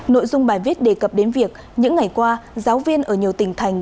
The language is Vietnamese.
nội dung bài viết đề cập đến việc những ngày qua giáo viên ở nhiều tỉnh thành